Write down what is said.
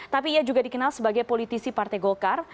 tapi ia juga dikenal sebagai politisi partai golkar